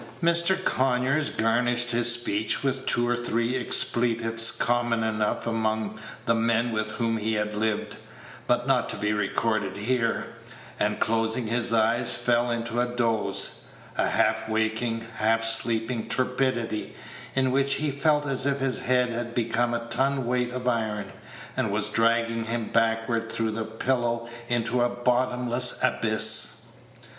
Mr. Conyers garnished his speech with two or three expletives common enough among the men with whom he had lived, but not to be recorded here, and, closing his eyes, fell into a doze a half waking, half sleeping torpidity, in which he felt as if his head had become a ton weight of iron, and was dragging him backward through the pillow into a bottomless abyss.